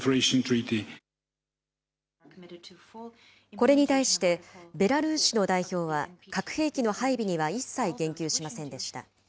これに対して、ベラルーシの代表は核兵器の配備には一切言及しませんでした。